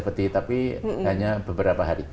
terhadap tujuh puluh tapi hanya beberapa hari